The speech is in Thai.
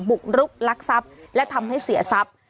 บุกรุกลักทรัพย์และทำให้เสียทรัพย์